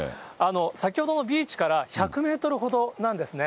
先ほどのビーチから１００メートルほどなんですね。